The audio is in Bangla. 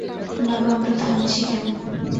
বাবা, আমরা থামছি কেন?